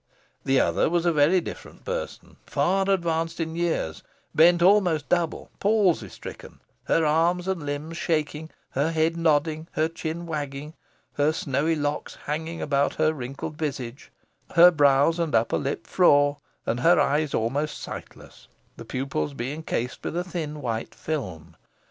The other was a very different person, far advanced in years, bent almost double, palsy stricken, her arms and limbs shaking, her head nodding, her chin wagging, her snowy locks hanging about her wrinkled visage, her brows and upper lip frore, and her eyes almost sightless, the pupils being cased with a thin white film.